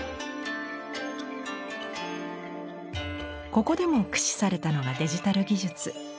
ここでも駆使されたのがデジタル技術。